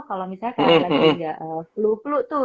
kalau misalnya nanti gak flu flu tuh